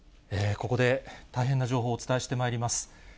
ここで大変な情報をお伝えしてまいります。